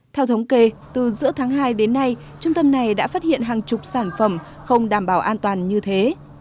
theo thống kê từ giữa tháng hai đến nay trung tâm này đã phát hiện hàng chục sản phẩm không đảm bảo an toàn như thế